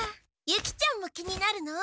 ユキちゃんも気になるの？